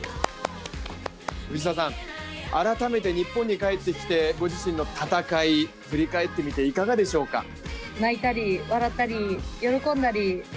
藤澤さん、改めて日本に帰ってきてご自身の戦い振り返ってみて、いかがでしょうか。